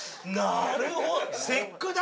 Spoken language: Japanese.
なるほ節句だ！